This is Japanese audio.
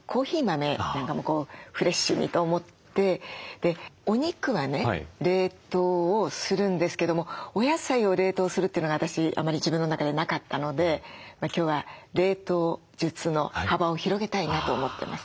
でお肉はね冷凍をするんですけどもお野菜を冷凍するというのが私あまり自分の中でなかったので今日は冷凍術の幅を広げたいなと思ってます。